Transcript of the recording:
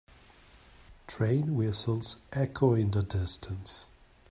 Train whistles echo in the distance.